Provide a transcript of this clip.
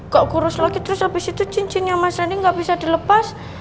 gak kurus lagi terus abis itu cincinnya mas rani gak bisa dilepas